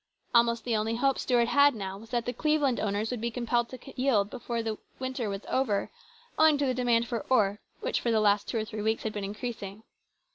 Almost the only hope Stuart had now was that the Cleveland owners would be compelled to yield before the winter was over, owing to the demand for ore, which for the last two or three weeks had been increasing.